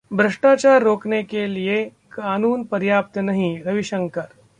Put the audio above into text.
भ्रष्टाचार रोकने लिए कानून पर्याप्त नहीं: रविशंकर